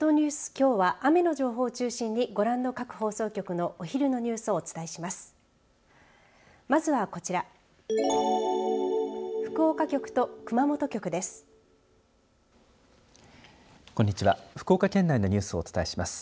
きょうは雨の情報を中心にご覧の各放送局のお昼のニュースをお伝えします。